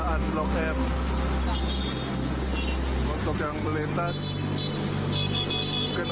yang terpura merupakan